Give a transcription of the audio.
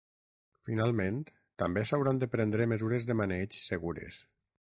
Finalment, també s'hauran de prendre mesures de maneig segures.